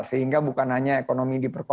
sehingga bukan hanya ekonomi di luar negara